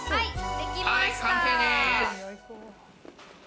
完成です。